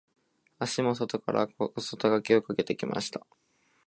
足も外から小外掛けをかけてきました。